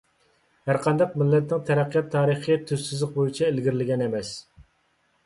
ھەرقانداق مىللەتنىڭ تەرەققىيات تارىخى تۈز سىزىق بويىچە ئىلگىرىلىگەن ئەمەس.